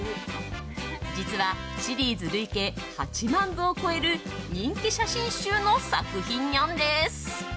実はシリーズ累計８万部を超える人気写真集の作品にゃんです。